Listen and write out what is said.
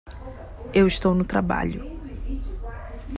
Eu estou no trabalho!